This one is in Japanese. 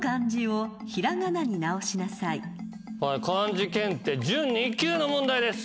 漢字検定準２級の問題です。